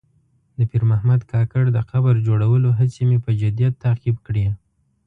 د پیر محمد کاکړ د قبر جوړولو هڅې مې په جدیت تعقیب کړې.